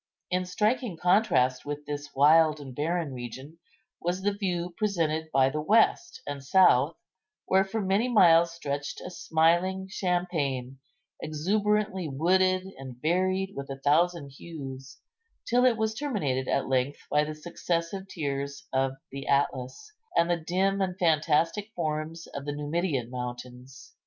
In striking contrast with this wild and barren region was the view presented by the west and south, where for many miles stretched a smiling champaign, exuberantly wooded, and varied with a thousand hues, till it was terminated at length by the successive tiers of the Atlas, and the dim and fantastic forms of the Numidian mountains.